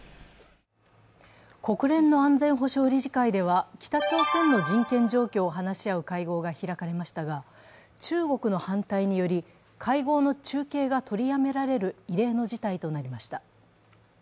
国連の安全保障理事会では、北朝鮮の人権状況を話し合う会合が開かれましたが中国の反対により、会合の中継が取りやめられる異例の事態となりました。